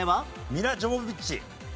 ミラ・ジョボビッチ。